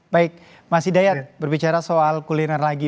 baik mas hidayat berbicara soal kuliner lagi